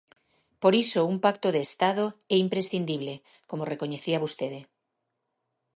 Por iso un pacto de Estado é imprescindible, como recoñecía vostede.